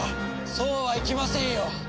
そうはいきませんよ。